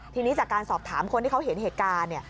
ทีนี้จากการสอบถามคนที่เขาเห็นเหตุการณ์เนี่ย